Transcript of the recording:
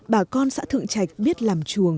ba con xã thượng trạch biết làm chuồng